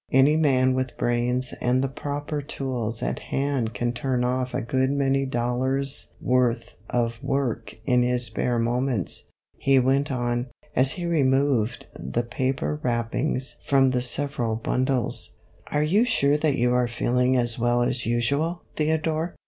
Any man with brains and the proper tools at hand can turn off a good many dollars' worth of work in his spare moments," he went on, as he removed the paper wrappings from the several bundles. 95 96 MR. HUR&S HOLIDAY. "Are you sure that you are feeling as well as usual, Theodore